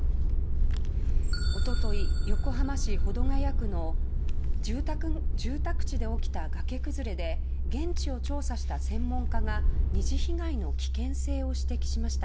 一昨日、横浜市保土ケ谷区の住宅地で起きた崖崩れで現地を調査した専門家が２次被害の危険性を指摘しました。